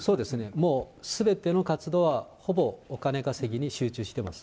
もう、すべての活動はほぼお金稼ぎに集中しています。